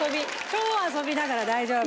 超遊びだから大丈夫。